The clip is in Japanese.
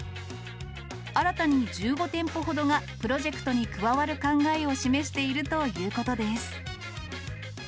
新たに１５店舗ほどがプロジェクトに加わる考えを示しているということです。